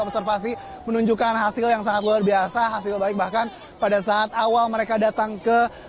observasi menunjukkan hasil yang sangat luar biasa hasilnya baik bahkan pada saat awal mereka datang ke